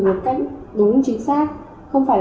nhưng em đang muốn có một số thông tin